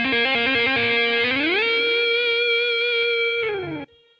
เลย